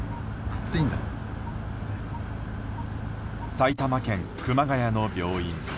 埼玉県熊谷の病院。